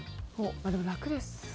でも楽ですよね。